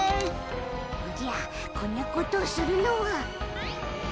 おじゃこんなことをするのは。